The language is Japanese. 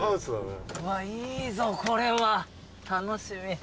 うわっいいぞこれは楽しみ。